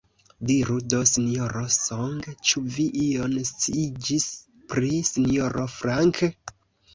Diru do, Sinjoro Song, ĉu vi ion sciiĝis pri Sinjoro Frank?